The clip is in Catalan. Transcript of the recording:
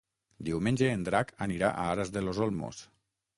Diumenge en Drac anirà a Aras de los Olmos.